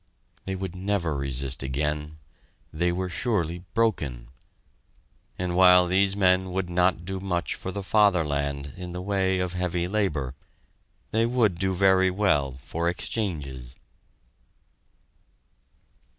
They would never resist again they were surely broken! And while these men would not do much for the "Fatherland" in the way of heavy labor, they would do very well for exchanges!